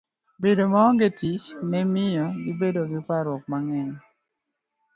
Bedo maonge tich ne miyo gibedo gi parruok mang'eny.